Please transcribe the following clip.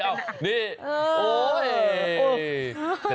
รำคาญนี่ไง